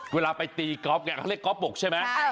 เวลาไปตีกรอบเนี่ยเขาเรียกกรอกบบกใช่ไหม